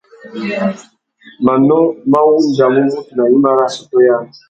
Manô mà wandjamú mutu nà gnïma nà assôtô yâā.